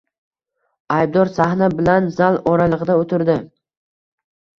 Aybdor sahna bilan zal oralig‘ida o‘tirdi.